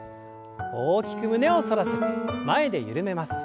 大きく胸を反らせて前で緩めます。